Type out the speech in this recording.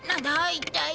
一体。